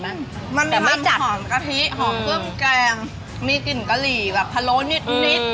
มันคือเครื่องแกงหอมกะหรี่พะร้อนิด